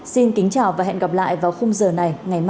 xin kính chào và hẹn gặp lại vào khung giờ này ngày mai